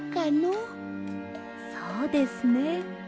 そうですね。